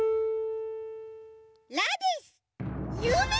「ラ」です！